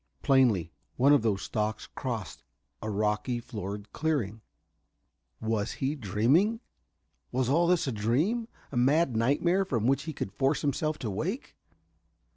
Plainly, one of those stalks crossed a rocky floored clearing. Was he dreaming? Was this all a dream a mad nightmare from which he could force himself to wake?